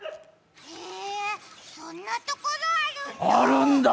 へえ、そんなところあるんだ。